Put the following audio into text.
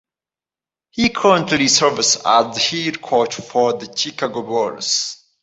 He currently serves as the head coach for the Chicago Bulls.